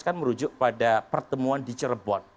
kan merujuk pada pertemuan di cirebon